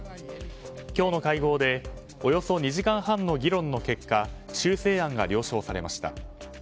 今日の会合でおよそ２時間半の議論の結果修正案が了承されました。